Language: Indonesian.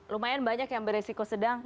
lumayan banyak yang beresiko sedang